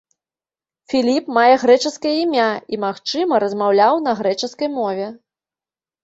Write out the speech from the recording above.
Філіп мае грэчаскае імя і, магчыма, размаўляў на грэчаскай мове.